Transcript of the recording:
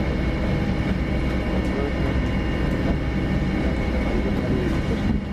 Las flores son desde blancas hasta ligeramente amarillo pálido y vistosas.